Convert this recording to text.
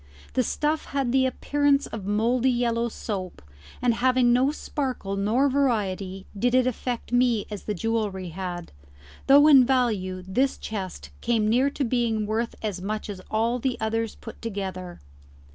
The stuff had the appearance of mouldy yellow soap, and having no sparkle nor variety did not affect me as the jewellery had, though in value this chest came near to being worth as much as all the others put together.